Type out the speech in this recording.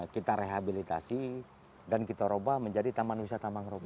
kita rehabilitasi dan kita ubah menjadi taman wisata mangrove